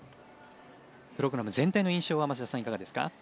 プログラム全体の印象は町田さん、いかがですか？